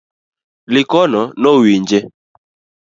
Likono nowinje